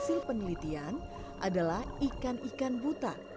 hasil penelitian adalah ikan ikan buta